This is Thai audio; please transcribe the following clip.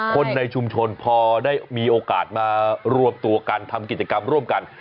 คนในชุมชนพอได้มีโอกาสมารวมตัวกันทำกิจกรรมร่วมกัน